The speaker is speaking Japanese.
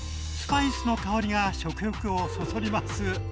スパイスの香りが食欲をそそります。